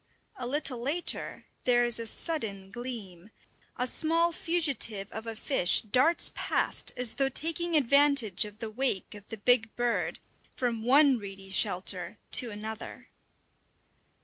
A little later there is a sudden gleam. A small fugitive of a fish darts past as though taking advantage of the wake of the big bird, from one reedy shelter to another.